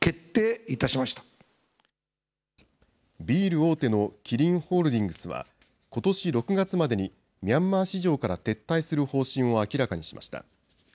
ビール大手のキリンホールディングスは、ことし６月までにミャンマー市場から撤退する方針を明らかにしました。